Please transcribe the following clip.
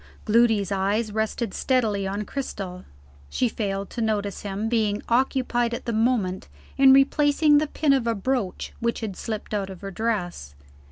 Gloody's eyes rested steadily on Cristel: she failed to notice him, being occupied at the moment in replacing the pin of a brooch which had slipped out of her dress.